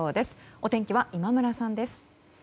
お天気は今村さんです。